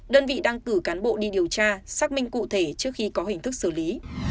đơn vị đang cử cán bộ đi điều tra xác minh cụ thể trước khi có hình thức xử lý